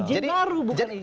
izin baru bukan izin baru